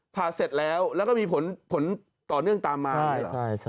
พาเซ็ตแล้วแล้วก็มีผลต่อเนื่องตามมา